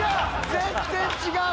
全然違う！